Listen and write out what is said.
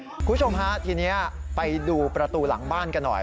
คุณผู้ชมฮะทีนี้ไปดูประตูหลังบ้านกันหน่อย